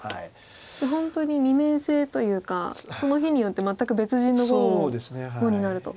じゃあ本当に二面性というかその日によって全く別人の碁になると。